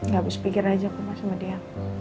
gak harus pikir aja sama dia